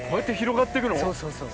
そうそうそう。